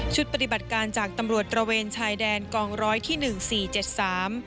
ปฏิบัติการจากตำรวจตระเวนชายแดนกองร้อยที่หนึ่งสี่เจ็ดสาม